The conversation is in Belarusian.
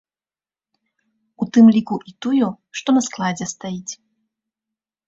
У тым ліку і тую, што на складзе стаіць.